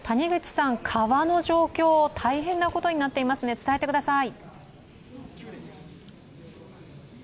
川の状況大変なことになっていますね、伝えてください。